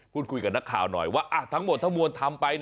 พูดคุยกับนักข่าวหน่อยว่าทั้งหมดทั้งมวลทำไป